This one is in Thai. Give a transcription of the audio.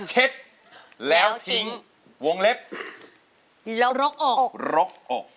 เช็ดแล้วทิ้งวงเล็บรกอก